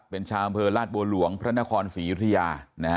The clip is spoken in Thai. เป็นชาวอำเภอราชบัวหลวงพระนครศรียุธยา